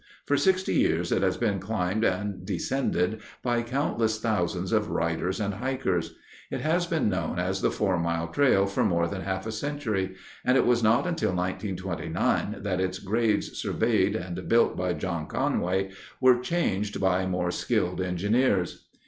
For sixty years it has been climbed and descended by countless thousands of riders and hikers. It has been known as the Four Mile Trail for more than half a century, and it was not until 1929 that its grades, surveyed and built by John Conway, were changed by more skilled engineers.